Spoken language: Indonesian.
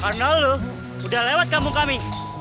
karena lo udah lewat kampung kami